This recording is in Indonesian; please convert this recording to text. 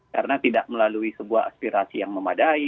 karena tidak melalui sebuah aspirasi yang memadai